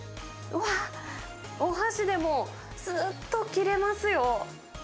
うわっ、お箸でもすーっと切れますよ。